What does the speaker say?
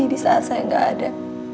disaat saya gak ada